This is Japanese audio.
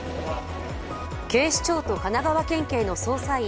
警視庁と神奈川県警の捜査員